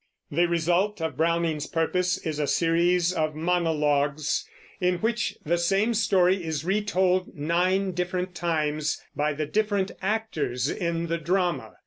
The result of Browning's purpose is a series of monologues, in which the same story is retold nine different times by the different actors in the drama.